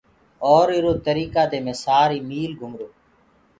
اور اِرو تريڪآ دي مي سآري ميٚل گُمرو۔